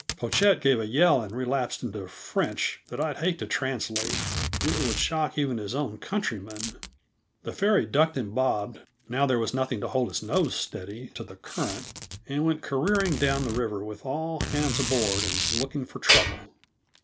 Pochette gave a yell and relapsed into French that I'd hate to translate; it would shock even his own countrymen. The ferry ducked and bobbed, now there was nothing to hold its nose steady to the current, and went careering down river with all hands aboard and looking for trouble.